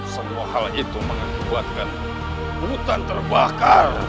semua hal itu mengakibatkan hutan terbakar